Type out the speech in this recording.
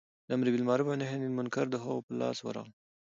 د امر بالمعروف او نهې عن المنکر د هغو په لاس ورغلل.